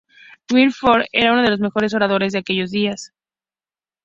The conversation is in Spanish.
Wilberforce era uno de los mejores oradores de aquellos días.